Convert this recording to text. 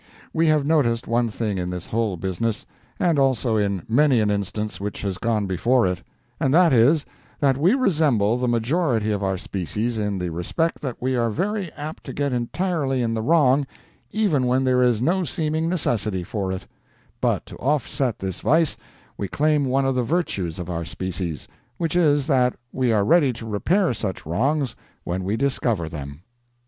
We have noticed one thing in this whole business—and also in many an instance which has gone before it—and that is, that we resemble the majority of our species in the respect that we are very apt to get entirely in the wrong, even when there is no seeming necessity for it; but to offset this vice, we claim one of the virtues of our species, which is that we are ready to repair such wrongs when we discover them.